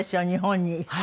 日本に。